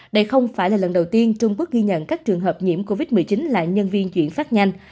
đây không phải là lần đầu tiên trung quốc ghi nhận các trường hợp nhiễm covid một mươi chín là nhân viên chuyển phát nhanh